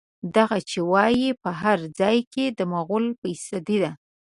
دغه چې وايي، په هر ځای کې د مغول قصيدې